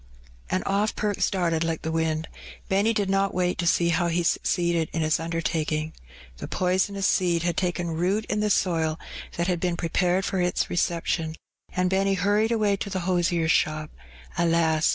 And oflF Perks darted like the wind. Benny did not Yait to see how he succeeded in his undertaking. The )oisonous seed had taken root in the soil that had been prepared for its reception, and Benny hurried away to the losier's shop, alas